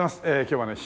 今日はね